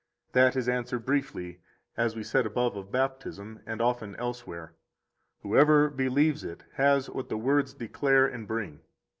That is answered briefly, as we said above of Baptism and often elsewhere: Whoever believes it has what the words declare and bring.